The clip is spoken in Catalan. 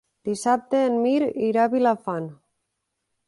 Dissabte en Mirt irà a Vilafant.